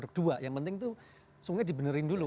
yang paling penting itu sungai di benerin dulu